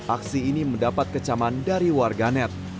aksi ini mendapat kecaman dari warganet